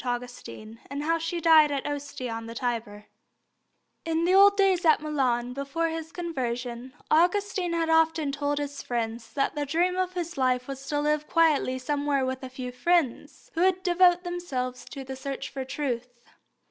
AUGUSTINE, AND HOW SHE DIED AT OSTIA ON THE TIBER In the old days at Milan, before his conversion, Augustine had often told his friends that the dream of his life was to live quietly somewhere with a few friends, who would devote themselves to the search for truth.